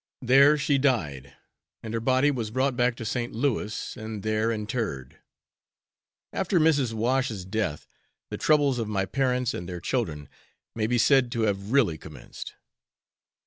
There she died, and her body was brought back to St. Louis and there interred. After Mrs. Wash's death, the troubles of my parents and their children may be said to have really commenced.